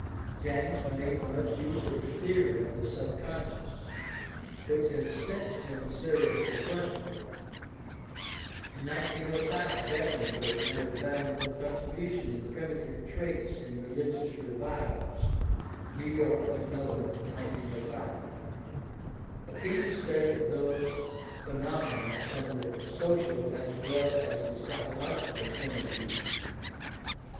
James made much use of the theory of the subconscious, which has since been seriously questioned. In 1905 Davenport made a valuable contribution in Primitive Traits in Religious Revivals (New York: Macmillan, 1905), a keen study of those phen mena from the social as well as the psychological point of view.